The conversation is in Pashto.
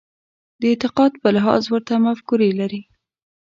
د اعتقاد په لحاظ ورته مفکورې لري.